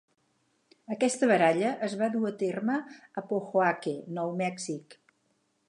Aquesta baralla es va dur a terme a Pojoaque, Nou Mèxic.